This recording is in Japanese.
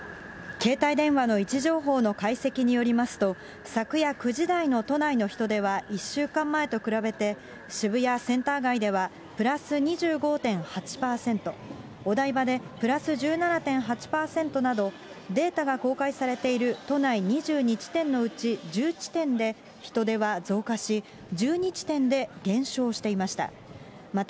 携帯電話の位置情報の解析によりますと、昨夜９時台の都内の人出は、１週間前と比べて、渋谷センター街ではプラス２５．８％、お台場でプラス１７．８％など、データが公開されている都内２２地点のうち１０地点で人出は増加し、１２地点で減少していました。